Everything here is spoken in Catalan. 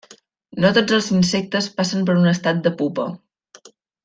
No tots els insectes passen per un estat de pupa.